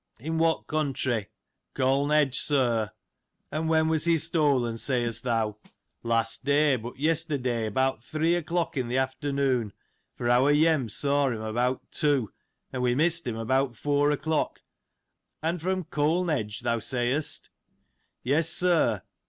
In what country ? Colne edge, sir. And when was he stolen, sayest thou ? Last day, but yesterday, about three o'clock, in the afternoon, for our Yem saw him about two, and we missed him about four o'clock. And from Colne edge, thou sayest ? Yes, sir.